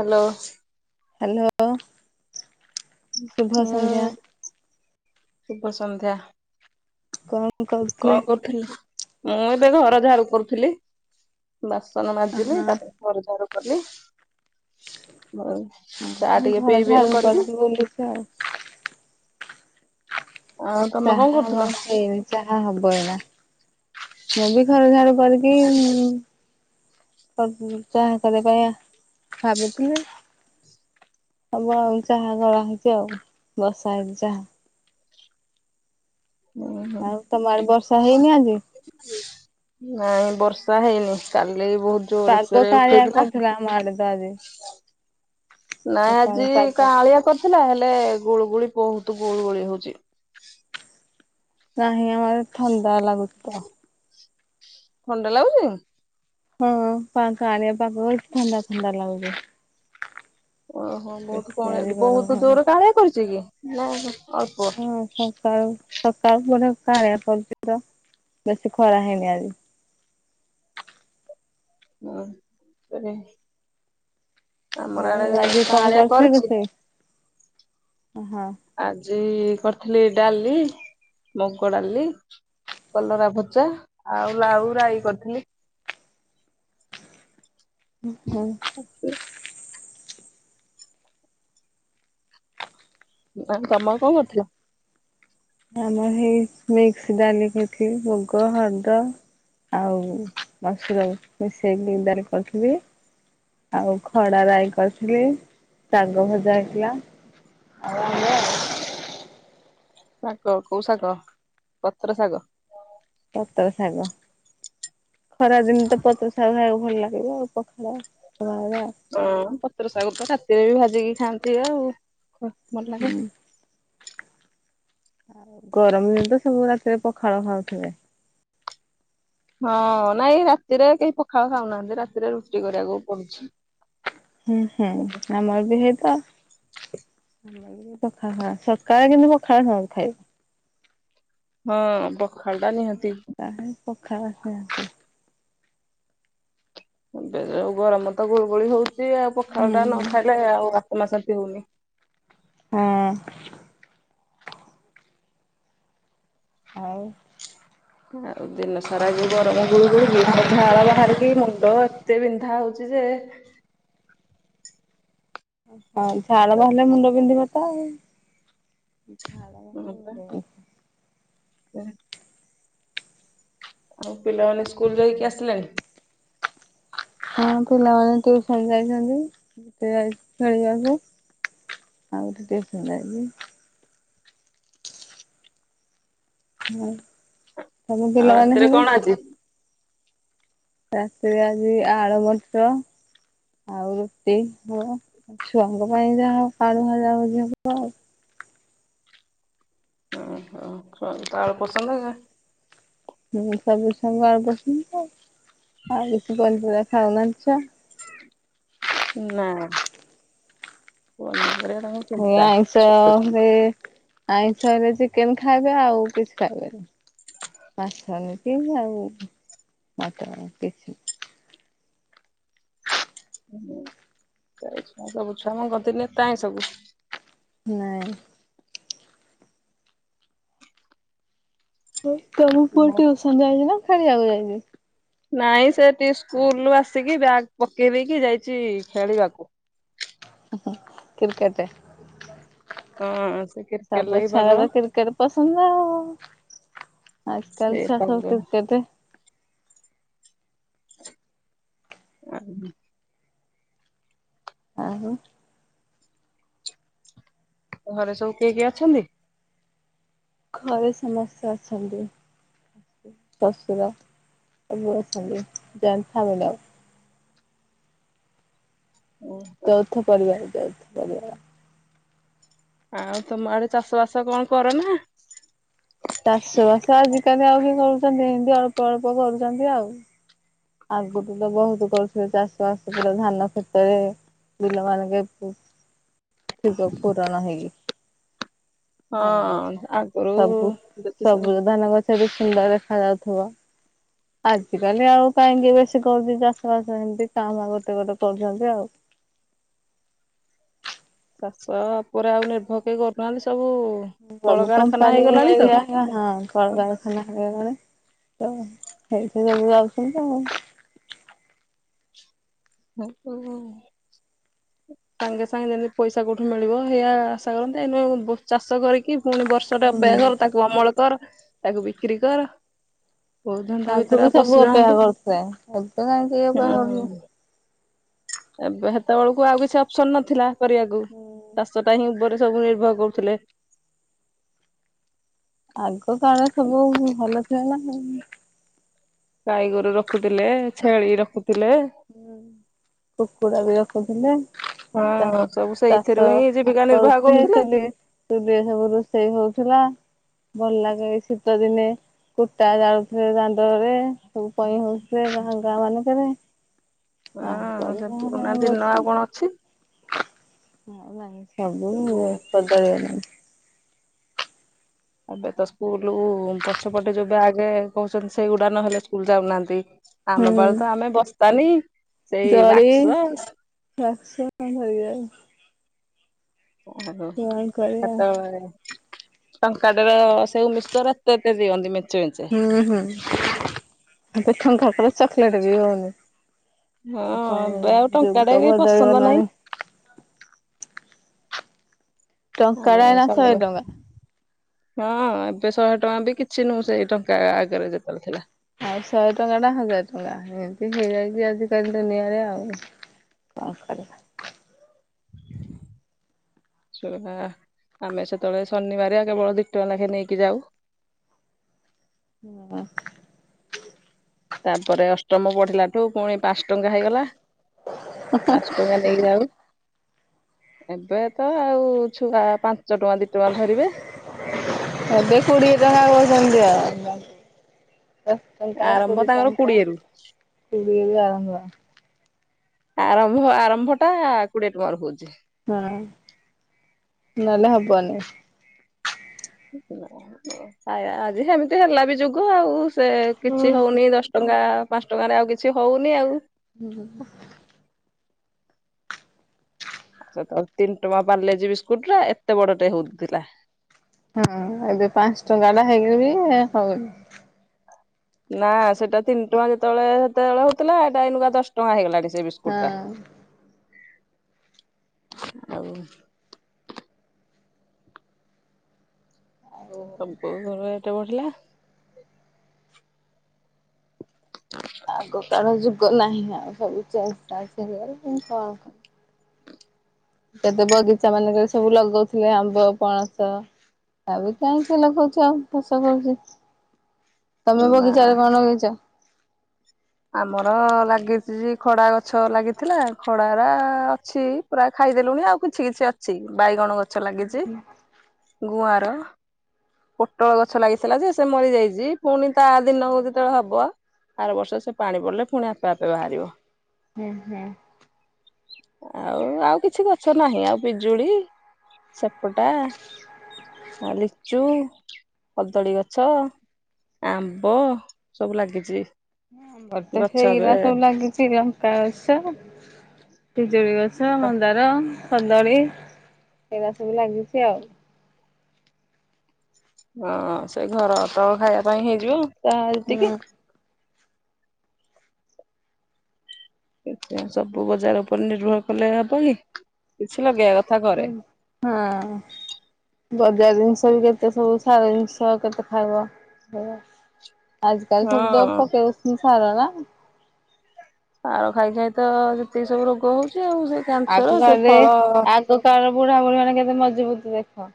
Hello. Hello. ହୁଁ। ଶୁଭ ସନ୍ଧ୍ୟା। କଣ? କରୁଥିଲେ? କଣ କରୁଥିଲ? ମୁଁ ଏବେ ଘର ଝାଡୁ କରୁଥିଲି। ବାସନ ଅ ମାଜିଲେ ହଁ ତାପରେ ଘର ଜାଙ୍କର। କଲେ। ହଁ ଘରେ ଝାଡ଼ୁ କରିକି ବୁଲୁଛି ଆଉ। ଆଉ ତମେ କଣ ଚାହା କରୁଥିଲ? ଆମର ହେଇନି ଚାହା ହବ। ନା ମୁଁ ବି ଘର ଝାଡୁ କରିକି ଚାହା କରିବା ପାଇଁ ଭାବୁଥିଲି ହବ ଆଉ ଚାହା କଳା ହେଇଛି ଆଉ ବର୍ଷା ହେଇଛି ଚାହା। ଉଁ ହୁଁ ଆଉ ତମର ବର୍ଷା ହେଇନି ଆଜି। ନାଇଁ ବର୍ଷା ହେଇନି କାଲି। ବହୁତ ପାଗ ଜୋରରେ କାଳିଆ ଉଠେଇଥିଲା କରିଥିଲା ଆମ ଆଡେ ତ ଆଜି ନାଇ ସକାଳୁ ଆଜି ପାଗ। କାଳିଆ କରିଥିଲା ହେଲା। ଲେ ଗୁଳୁ ଗୁଳି ବହୁତ ଗୋଳୁ ଗୋଳି ହଉଛି। ନାହିଁ ଆମର ଥଣ୍ଡା ଲାଗୁଚିତ ଥଣ୍ଡା ଲାଗୁଚି। ହଁ ପା ଆଣ। ପା ବହୁ ଥଣ୍ଡା ଥଣ୍ଡା ଲାଗୁଚି। ଓହୋ ବହୁତ କଣଆ ଆଜି ଗରମ ବହୁତ ହଉନି। ଜୋର କାଳିଆ କରିଛି କି। ନାଇଁମ। ହଁ ସକାଳୁ। ସକାଳୁ ପହରୁ କାଆଁଲିଆ କରିଚି ତ ବେଶି ଖରା ହେଇନି ଆଜି। ହଁ ସେ। ଆଉ ଆଜି କଣ କରୁଚୁ କରିଛି ରୋଷେଇ। ହଁ। ଆଜି କରିଥିଲି ଡାଲି ମୁଗ ଡାଲି, କଲରା ଭଜା ଆଉ ଲାଉ ରାଇ କରିଥିଲି। ହୁଁ। ଆଉ ତମର କଣ କରୁଥିଲ। ଆମର ସେଇ ମିକ୍ସ ଡାଲି କରିଥିଲି ମୁଗ, ହରଡ଼ ଆଉ ମସୁର ମିଶେଇକି ଡାଲି କରିଥିଲି ଆଉ ଖଡଆ ରାଇ କରିଥିଲି ଆଉ ଶାଗ ଭଜା ହେଇଥିଲା। ଶାଗ କୋଉ ଶାଗ ପତ୍ର ଶାଗ। ପତର ଶାଗ। ଖରା ଦିନ ତ ପତ୍ର ଶାଗ। ଭଲ ଲାଗିବ ଆଉ ପଖାଳ। ପଖାଳରେ ଆଉ। ହଁ ପତ୍ର ଶାଗ। ସେ ବି ଭାଜିକି ଖାଆନ୍ତି ଆଉ। କ ଭଲ ଲାଗେ। ଗରମ ଦିନ ତ ସବୁ ରାତିରେ ପଖାଳ ଖାଉଥିଲେ। ହଁ ନାଇଁ ରାତିରେ କେହି ପଖାଳ ଖାଉନାହାନ୍ତି ରାତିରେ ରୁଟି କରିବାକୁ ପଡୁଛି। ହୁଁ ହୁଁ ଆମର ବି ହେଇତ। ପଖାଳ ଖାଏ ସକାଳେ କିନ୍ତୁ ପଖାଳ ଖାଏ। ହଁ ଅବ ଥଣ୍ଡା ନିହାତି। ଖା ସେ ଏ ଯୋଉ ଗରମ ତ ଗୁଳୁଗୁଳି ହଉ ସିଏ ଆଉ ପଖାଳ ଟା ହଁ ନଖାଇଲେ ଆଉ। ମନ ଶାନ୍ତି ହଉନି। ହଁ। ଆଉ। ଆଉ ଦିନ ସାରା ଯୋଉ ଗରମ ଗୁଳୁ ଗୁଳୁ କିି ମୋ ଝାଳ ବାହାରିକି ମୁଣ୍ଡ ଏତେ ବିନ୍ଧାହେଉଚି ଯେ ହୁଁ ହଁ ଝାଳ ଆଉ ବାହାରିଲେ ମୁଣ୍ଡ ବିନ୍ଧିବ। ବାଏ ଝାଳ [unintelligible] ଆଉ ପିଲାମାନେ । ସ୍କୁଲ ଯାଇକି ଆସିଲାଣି। ହଁ ପିଲାମାନେ ଟିୟୁଅନ ଯାଇଛନ୍ତି ସେ ଯାଇଚି ଖେଳିଆକୁ ଆଉ ଗୋଟେ ଟିୟୁସନ ଯାଇଚି। [unintelligible] ତମ ଆଉ ପିଲାମାନେ ରାତିରେ ସବୁ କଣ ଆଜି? ରାତିରେ ଆଜି ଆଳୁ ମଟର ଆଉ ରୁଟି ହ ଛୁଆଙ୍କ ପାଇଁ ଯାହା ଆଳୁ ଭଜା ଭଜି ହବ ଆଉ ଓହ ତାଳ ପସନ୍ଦ ନା ହୁଁ ସବୁ ସାଙ୍ଗ ଆଡ ବସନ୍ତ ହଁ ବେଶି ପହଞ୍ଚିବେ ହଉନାଛ ନା ପଲେ ଇଏ ଆଇଷ ହେ ଆଇଷ ରେ ଚିକେନ ଖାଇବେ ଆଉ କିଛି ଖାଇବେନି ମାଛ ହେଲେ ମଟ ଆଉ କିଛି ହୁଁଛୁଆ ସବୁ ଛୁଆ ମୁ କରିଥିଲି ତହିଁ ସବୁ ନାଇଁ ହଁ ତମ ପୁଅ ଟ୍ୟୁସନ ଯାଇଚିନା ଖେଳିବାକୁ ଯାଇଛି ନାଇଁ ସେ ସ୍କୁଲୁ ଆସିକି ବ୍ୟାଗ ପକେଇ ଦେଇକି ଯାଇଛି ଖେଳିବାକୁ କ୍ରିକେଟରେ ହଁ ସେ କ୍ରିକେଟ ସବୁ ଲାଗି ଛୁଆ ପାଗଳ ତ କ୍ରିକେଟ ପସନ୍ଦ ଆଉ ଆଜି କାଲି ସେ ଛୁଆ ସବୁ ପାଗଳ କ୍ରିକେଟ ଆ ଆଉ ଘରେ ସବୁ କିଏ କିଏ ଅଛନ୍ତି ଘରେ ସମସ୍ତେ ଅଛନ୍ତି ଶଶୁର ସବୁ ଅଛନ୍ତି ଜଏଣ୍ଟ ଫାମିଲି ଆଉ ଚୌଥ ପରିବାର। [unintelligible] ଆଉ ତମ ଆଡେ ଚାଷ ବାସ କଣ କର ନା? ଚାଷ ବାସ ଆଜିକାଲି ଆଉ କି କଣ ଛନ୍ତି ଏମତି ଅଳ୍ପ ଅଳ୍ପ କରୁଛନ୍ତି ଆଉ । ଆଗଠୁ ତ ବହୁତ କରୁଥିଲେ ଚାଷ ବାସ ପ ଧାନ କ୍ଷେତରେ ବିଲ ମାନଙ୍କ ଠ ପୁରଣ ହେଗ ଧାନ ହଁ ଗଛ ଆଗରୁ ସବୁ ସବୁ ଧାନ ଗଛ ବି ସୁନ୍ଦର ଦେଖା ଯାଉଥିବ। ଆଜିକାଲି ଆଉ କାହିଁକି ବେଶୀ କରୁଛି ଚାଷ ବାସ ଏମିତି କାମ ଗୋଟେ ଗୋଟେ କରୁଛନ୍ତି ଆଉ। ଚାଷ ଉପରେ ଆଉ ନିର୍ଭର କେହି କରୁନାହାନ୍ତି ସବୁ ବାବୁ କଳକାରଖାନା ହେଇଗଲାଣି ତ। କମ୍ପାନୀରିଆ ହଁ କଳକାରଖାନା ହେଇଗଲାଣି। ତ ସେଇଠି ଯବି ଯାଉଛନ୍ତି ଆଉ । ସାଙ୍ଗେ ସାଙ୍ଗେ ଯେମିତି ପଇସା କୋଉଠୁ ମିଳିବ ସେଇଆ ଆଶା କରନ୍ତି ଏ ନ ଚାଷ କରିକି ପୁଣି ବର୍ଷଟେ ଅପେକ୍ଷା ଘର ତାକୁ ଅମଳ କର । ତାକୁ ବିକ୍ରି କର । ଆଗ ବି ସବୁ ଅପେକ୍ଷା କରୁଛେ ଏବେ କାହିଁ କେହି ଅପେକ୍ଷା କରୁନି । ହୁଁ ଏବେ ସେତେବେଳକୁ ଆଉ କିଛି ଅପସନ ନଥିଲା କରିବାକୁ, ଚାଷ ଟା ହିଁ ଗୁରୁ ସବୁ ନିର୍ଭର କରୁଥିଲେ। ଆଗ କାଳ ସବୁ ଭଲ ଥିଲା ନା। ଗାଈଗୋରୁ ରଖୁଥିଲେ, ଛେଳି ରଖୁ ହଁ କୁକୁଡା ବି ରଖୁଥିଲେ, ହଁ ସବୁ ସେଇଥିରୁ ଚାଷ ହିଁ ଜୀବିକା ନିର୍ବାହ କରୁଥିଲେ, ଚୁଲି ଚୁଲି ସବୁ ରୋଷେଇ ହଉଥିଲା। ଭଲ ଲାଗେ ଶୀତ ଦିନେ। କୁଟା ଜାଳୁଥିଲେ ଦାଣ୍ଡରେ ସବୁ ପଇଁ ହଉଥିଲେ ଗାଁ ଗାଁ ମାନଙ୍କରେ। ହଁ ଆଗରେ ।ସେ ପୁରୁଣା ଦିନ ଆଉ କଣ ଅଛି। ହ ନାଇଁ ସବୁ ସଜା ନାଇଁ। [unintelligible] ଏବେ ତ ସ୍କୁଲ ପଛପଟେ ଯେବେ ଆଗେ କହୁଛନ୍ତି ସେଇଗୁଡ଼ା ନ ହେେଲେ ସ୍କୁଲ ଯାଉନାହାନ୍ତି। ଆମ ହୁଁ। ବେଳେ ତ ଆମେ ବସ୍ତାନି ସେଇ ଜରି, ବାକ୍ସ [unintelligible] ରସଉ ଓହୋ । କରିବା ସେତେବେଳେ ଟଙ୍କାଟର ସେଉ ମିକ୍ସଚର ଏତେ ଏତେ ଦିଅନ୍ତି। ମେଞ୍ଚେ। ହୁଁ ହୁଁ। ଏବେ ଟଙ୍କାଙ୍କରେ ଚକୋଲେଟ ବି ହଉନି। ହଁ ଆଉ କଣ ଏବେ ଆଉ କରିବୁ ଟଙ୍କାଟେ ଯୁଗ କେହି ପସନ୍ଦ ନାହିଁ। ବଦଳିଗଲାଣି। ଆମେ ଟଙ୍କାଟା ଏଇନା ଶନିବାର ଶହେଟଙ୍କା। ହଁ। ଏବେ ଶହେ ଟଙ୍କା ବି କିଛି ନୁ ସେଇ ଟଙ୍କା ଆଗରେ ଯେତେବେଳେ ଥିଲା। ଆଉ ଶହେ ଟଙ୍କା ଟା ହଜାର ଟଙ୍କା ଏମିତି ହେଇଯାଇଛି ଆଜିକାଲି ଦୁନିଆରେ ଆଉ କଣ କରିବା? ସେ [unintelligible] ଆମେ ସେତେବେଳେ ଶନିବାର କେବଳ ଦିଟଙ୍କା ଲେଖେ ନେଇକି ଯାଉ। ହଁ। ତାପରେ ଅଷ୍ଟମ ପଢିଲାଠୁ ପୁଣି ପାଞ୍ଚ ଟଙ୍କା ହେଇଗଲା। ପାଞ୍ଚ ଟଙ୍କା ନେକି ଯାଉ। ଏବେ ତ ଆଉ ଛୁଆ ପାଞ୍ଚ ଟଙ୍କା ଦି ଟଙ୍କା ଧରିବେ ଏବେ କୋଡିଏ ଟଙ୍କା କହୁଛନ୍ତି ଦିଅ । [unintelligible] ଆରମ୍ଭ ତାଙ୍କର କୋଡିଏରୁୁ। ରୁ ଆରମ୍ଭ । ଆରମ୍ଭ ଆରମ୍ଭ ଟା କୋଡିଏ ଟଙ୍କାର ହଉଛି। ହଁ ।ନଏଲେ ହବ। ବନି। ଆଜି ସେମିତି ହେଲା ବି ଯୁଗ ଆଉ। ସେ କିଛି ହଉନି ଦଶଟଙ୍କା । ଟଙ୍କା ପାଁସ ଟଙ୍କାରେ ଆଉ କିଛି ହଉନି ଆଉ। ହୁଁ। ଆଉ ସେତେବେଳ ତିନି ଟଙ୍କା ପ୍ୟାଲେଜି ବିସ୍କୁଟ ଟେ ଏତେ ବଡଟେ ହଉଥିଲା। ହଁ ।ଏବେ ପାଞ୍ଚ ଟଙ୍କାଟା ହେଲେ ବି ହଉନି। ନା, ସେଟା ତିନି ଟଙ୍କା ଯେତେବେଳେ ସେତେବେଳେ ହଉଥିଲା ଏଇଟା ଏଇନୁକା ଦଶ ଟଙ୍କା ହେଇଗଲାଣି। ସେ ବିସ୍କୁଟ ଟା। ହଁ ଆଉ । ଶୋନପୁର ରେ । କେତେ ବଢିଲା । ଆଗ କାଳ ଯୁଗ । ନାହିଁ ଆଉ ସବୁ ତ ଚାଲିଚି ସିଆଡେ ମୁ କଣ କ। ଏବେ ବଗିଚା ମାନଙ୍କରେ ସବୁ ଲଗଉଥିବେ ଆମ୍ବ ପଣସ ଆମେ କାହିଁ କିଏ ଲଗଉଛ ଆଉ ଫସଲ କରୁଛି । ତମେ ନା ବଗିଚରେ କଣ ନଗେଇଛ । ଆମର ଲାଗିଛି ଖଡା ଗଛ ଲାଗିଥିଲା ଖଡାଗରା ଅଛି ପୁରା ଖାଇଦେଲୁଣି ଆଉ କିଛି କିଛି ଅଛି ବାଇଗଣ ଗଛ ଲାଗିଛି ଗୁଆଁର । ପୋଟଳ ଗଛ ଲାଗିଥିଲା ଯେ ସେ ମରିଯାଇଛି ପୁଣି ତା ଦିନ ଯେତେବେଳେ ହବ ଆର ବର୍ଷ ସେ ପାଣି ପଡିଲେ ପୁଣି ଆପେ ଆପେ ବାହାରିବ । ହେଁ ହେଁ । ଆଉ ଆଉ କିଛି ଗଛ ନାହିଁ ଆଉ ପିଜୁଳି ସେପଟା ଆ ଲିଚ ଚୁ କଦଳୀ ଗଛ ଆମ୍ବ ସବୁ ଲାଗିଚି । ଆମର ତ ହେଇଗୁରା ସବୁ ଲାଗିଛି । ପାଏ ସା ପଜୁଳି ଗଛ । ଛ ମନ୍ଦାର । କଦଳୀ ଏଇଗୁରା ସବୁ ଲାଗିଛି ଆଉ । ହଁ ସେଇ ଘର ତ ଖାଇବା ପାଇଁ ହେଇଯିବ । ତା ହୁଁ। ଏତିକି । ଏତେ ସବୁ ବଜାର ଉପରେ ନିର୍ଭର କଲେ ହବକି । ହଁ । ବଜାର ଜିନିଷ ବି କେତେ ସବୁ ସାର ଜିନିଷ କେତେ ଖାଇବ ଅ। ଆଜ କା ସବୁ ତ ହଁ ପକେଇ ଉଛନ୍ତିି ସାର ନା। ଆଉ ଖାଇ ଖାଇ ତ ଯେତକି ସବୁ ରୋଗ ହଉଛି। ଆଉ ସେ କ୍ୟାନସର ଆଗ ସେ କାଳରେ ଫଳ ଆଗକାର ବୁଢା ବୁଢୀ ମାନେ କେତେ ମଜବୁତ ଦେଖ।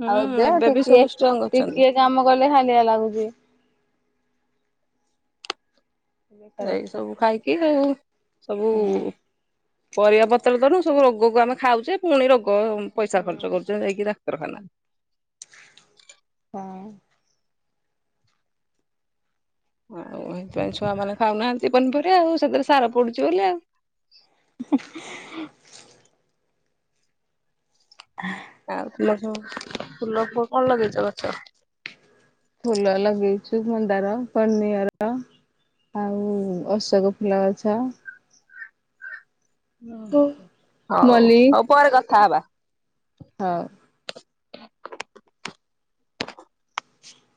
ହୁଁ ଆଉ ଦେ ଏବେ ବି ସବୁ ଷ୍ଟ୍ରଙ୍ଗ ଅଛନ୍ତି ବେକାର ଏଇ ଅଛି ସବୁ ଖାଇକି ଆଉ। ସବୁ ହୁଁ। ସବୁ ରୋଗକୁ ଆମେ ଖାଉଛେ ପୁଣି ରୋଗ କ ପଇସା ହୁଁ। ଖର୍ଚ୍ଚ କରୁଛନ୍ତି ଯାଇକିରା। କ୍ତରଖନା। ହଁ। ଆଉ ଏଇଥିପାଇଁ ଛୁଆ ମାନେ ଖାଉନାହାନ୍ତି ପନିପରିବା ଆଉ ସେଥିରେ ସାର ପଡୁଛି ବୋଲି ଆଉ। [unintelligible] [inaudible] ଆଉ ଫୁଲ ଗଛ ଫୁଲ କଣ ଲାଗେଇଛ ଗଛ? ଫୁଲ ଲଗେଇଛୁ ମନ୍ଦାର, କନିଆର ଆଉ ଅଶୋକ ଫୁଲ ଗଛ। ହ ହଉ ହଉ ପରେ କଥା ଥା ହେବା। ହଁ। [inaudible] [inaudible]